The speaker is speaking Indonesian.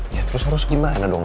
ya terus harus gimana dong